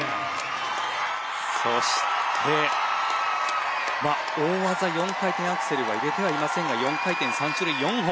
そして大技４回転アクセルは入れてはいませんが４回転３種類４本！